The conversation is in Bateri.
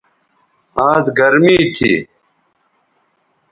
آز گرمی تھی